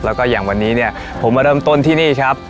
และก็อย่างวันนี้ผมมาเริ่มต้นที่นี้ครับ